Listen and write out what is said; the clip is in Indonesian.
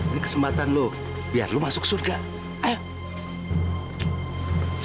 ini kesempatan lu biar lu masuk surga ayo